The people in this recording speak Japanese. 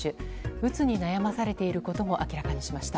うつに悩まされていることも明らかにしました。